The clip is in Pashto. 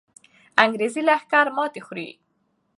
انګریزي لښکر ماتې خوري.